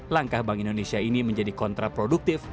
langkah bank indonesia ini menjadi kontraproduktif